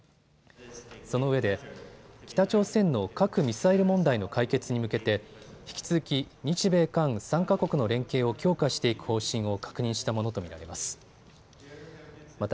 そのうえで北朝鮮の核・ミサイル問題の解決に向けて引き続き日米韓３か国の連携を強化していく方針を確認したものと見られます。